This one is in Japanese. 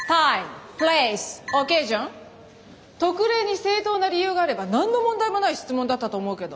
特例に正当な理由があれば何の問題もない質問だったと思うけど。